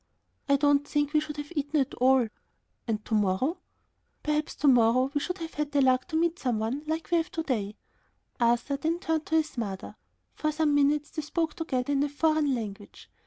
"I don't think we should have eaten at all." "And to morrow?" "Perhaps to morrow we should have had the luck to meet some one like we have to day." Arthur then turned to his mother. For some minutes they spoke together in a foreign language.